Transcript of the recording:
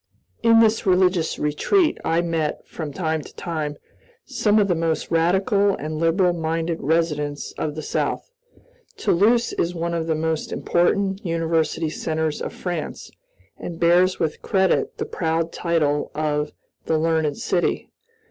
In this religious retreat I met, from time to time, some of the most radical and liberal minded residents of the South. Toulouse is one of the most important university centers of France, and bears with credit the proud title of "the learned city."